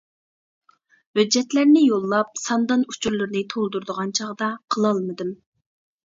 ھۆججەتلەرنى يوللاپ، ساندان ئۇچۇرلىرىنى تولدۇرىدىغان چاغدا قىلالمىدىم.